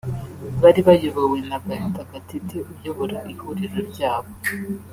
bari bayobowe na Gaetan Gatete uyobora ihuriro ryabo